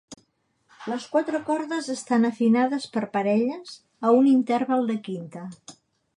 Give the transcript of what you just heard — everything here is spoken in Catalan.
Les quatre cordes estan afinades per parelles a un interval de quinta.